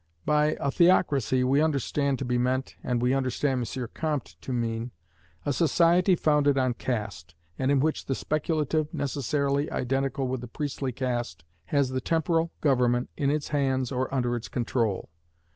By a theocracy we understand to be meant, and we understand M. Comte to mean, a society founded on caste, and in which the speculative, necessarily identical with the priestly caste, has the temporal government in its hands or under its control.